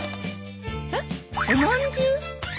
えっおまんじゅう？